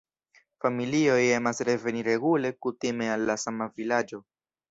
Familioj emas reveni regule, kutime al la sama vilaĝo.